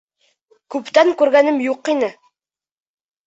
Күптән күргәнем юҡ ине.